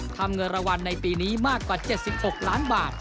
เงินรางวัลในปีนี้มากกว่า๗๖ล้านบาท